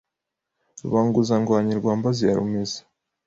Rubanguzandwanyi rwa Mbazi ya Rumeza